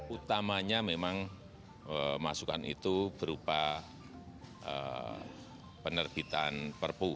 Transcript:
utamanya memang masukan itu berupa penerbitan perpu